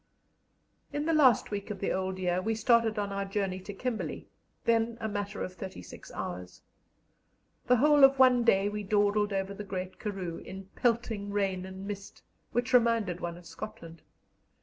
In the last week of the old year we started on our journey to Kimberley, then a matter of thirty six hours. The whole of one day we dawdled over the Great Karroo in pelting rain and mist, which reminded one of Scotland.